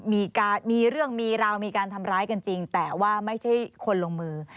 มีเรื่องมีราวมีการทำร้ายกันจริงแต่ว่าไม่ใช่คนลงมือ